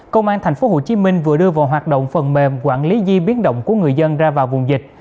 công an tp hcm vừa đưa vào hoạt động phần mềm quản lý di biến động của người dân ra vào vùng dịch